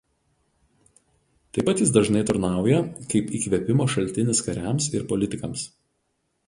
Taip pat jis dažnai tarnauja kaip įkvėpimo šaltinis kariams ir politikams.